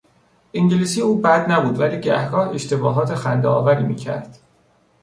انگلیسی او بد نبود ولی گهگاه اشتباهات خندهآوری میکرد.